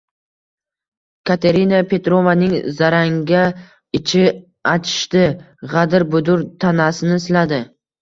Katerina Petrovnaning zarangga ichi achishdi, gʻadir-budir tanasini siladi.